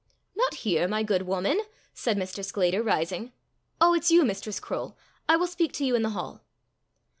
"Not here! my good woman," said Mr. Sclater, rising. " Oh, it's you, Mistress Croale! I will speak to you in the hall."